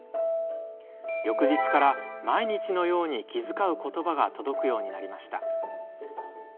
翌日から、毎日のように気遣う言葉が届くようになりました。